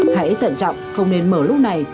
hãy tận trọng không nên mở lúc này